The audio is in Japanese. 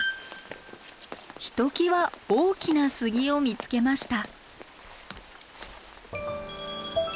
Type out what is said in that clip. ひときわ大きな杉を見つけました。